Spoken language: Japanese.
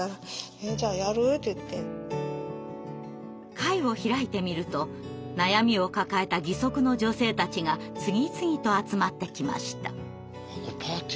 会を開いてみると悩みを抱えた義足の女性たちが次々と集まってきました。